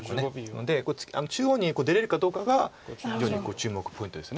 ので中央に出れるかどうかが非常に注目ポイントです。